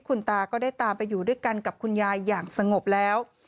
คุณตาก็ได้ตามไปอยู่ด้วยกันกับคุณยายอย่างสงบแล้ว